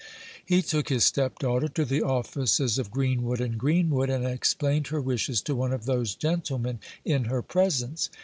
He took his stepdaughter to the offices of Greenwood and Greenwood, and explained her wishes to one of those gentlemen in her presence.